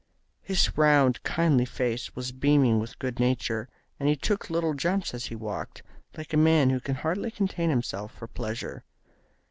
His round, kindly face was beaming with good nature, and he took little jumps as he walked, like a man who can hardly contain himself for pleasure.